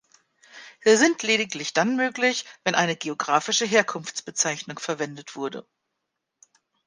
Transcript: Sie sind lediglich dann möglich, wenn eine geografische Herkunftsbezeichnung verwendet wurde.